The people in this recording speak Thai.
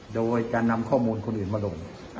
โดยจะนำข้อมูลคนอื่นมาลง